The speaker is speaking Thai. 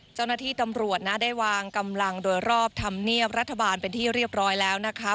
เจ้าหน้าที่ตำรวจนะได้วางกำลังโดยรอบธรรมเนียบรัฐบาลเป็นที่เรียบร้อยแล้วนะคะ